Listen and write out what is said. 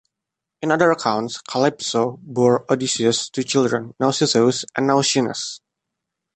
In other accounts Calypso bore Odysseus two children, Nausithous and Nausinous.